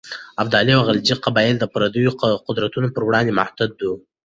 ابدالي او غلجي قبایل د پرديو قدرتونو پر وړاندې متحد وو.